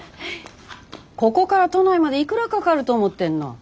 ここから都内までいくらかかると思ってんの？